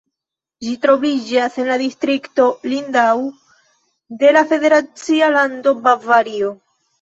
Ĝi troviĝas en la distrikto Lindau de la federacia lando Bavario.